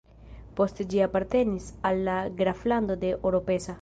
Poste ĝi apartenis al la graflando de Oropesa.